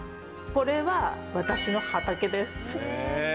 これは私の畑です。